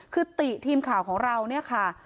คือติทีมข่าวของเราเนี่ยค่ะ